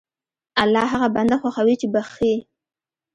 الله هغه بنده خوښوي چې بخښي.